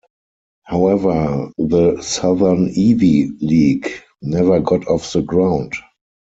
However, the "Southern Ivy League" never got off the ground.